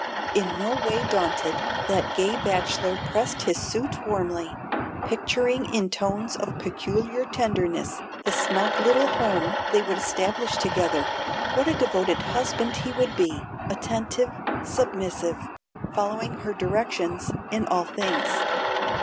In no way daunted, that gay bachelor pressed his suit warmly, picturing in tones of peculiar tenderness the snug little home they would establish together, what a devoted husband he would be, attentive, submissive, following her directions in all things.